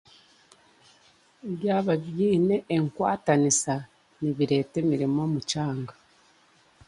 Byaba biine enkwatanisa, nibireeta emirimo omu kyanga